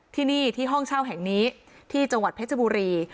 ที่นี่ที่ห้องเช่าแห่งนี้ที่จังหวัดเพชรบุรี